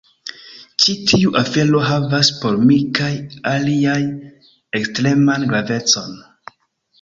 Ĉi tiu afero havas por mi kaj aliaj ekstreman gravecon.